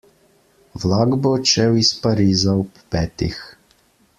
Vlak bo odšel iz Pariza ob petih.